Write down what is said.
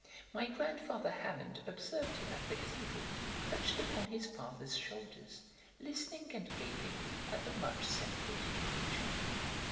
My grandfather Hammond observed him at the cathedral perched upon his father's shoulders, listening and gaping at the much celebrated preacher.